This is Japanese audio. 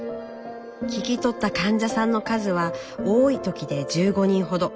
聞き取った患者さんの数は多い時で１５人ほど。